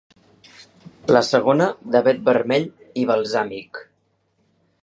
La segona, d'avet vermell i balsàmic.